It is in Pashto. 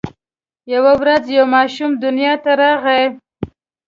یوه ورځ یو ماشوم دنیا ته راغی.